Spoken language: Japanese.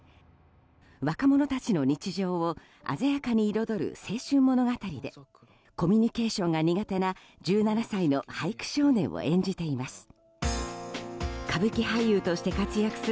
若者たちの日常を鮮やかに彩る青春物語でコミュニケーションが苦手な１７歳の俳句少年を演じています。